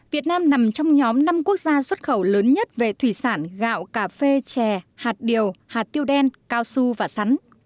việt nam nằm trong nhóm năm quốc gia xuất khẩu lớn nhất về thủy sản gạo cà phê chè hạt điều hạt tiêu đen cao su và sắn